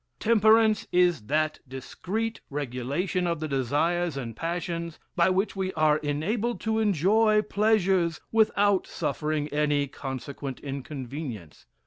"Temperance is that discreet regulation of the desires and passions, by which we are enabled to enjoy pleasures without suffering any consequent inconvenience.